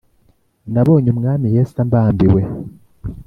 Nabonye Umwami Yes’ ambambiwe